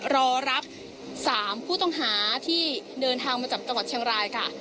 รอรับ๓ผู้ต้องหาที่เดินทางมาจากจังหวัดเชียงรายค่ะ